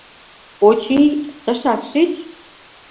Очий, тышак шич.